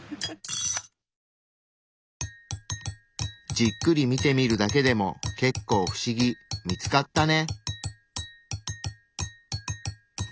じっくり見てみるだけでも結構不思議見つかったね。